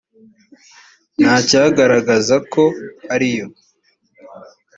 nta cyagaragazaga ko ariyo